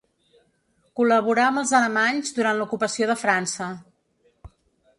Col·laborà amb els alemanys durant l'ocupació de França.